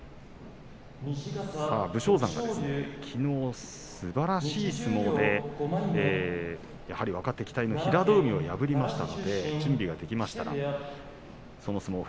武将山がきのうすばらしい相撲でやはり若手期待の平戸海を破りました。